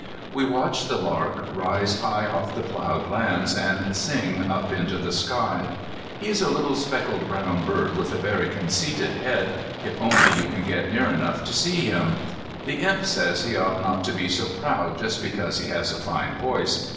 We watch the lark rise high off the ploughed lands and sing up into the sky. He is a little speckled brown bird with a very conceited head, if only you can get near enough to see him. The Imp says he ought not to be so proud just because he has a fine voice.